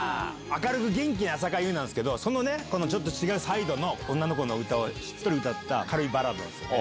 明るく元気な浅香唯なんですけど、そのね、ちょっと違うサイドの女の子の歌をしっとり歌った軽いバラードだったのね。